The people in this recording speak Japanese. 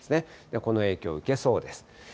この影響を受けそうです。